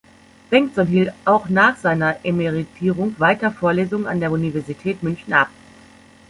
Bengtson hielt auch nach seiner Emeritierung weiter Vorlesungen an der Universität München ab.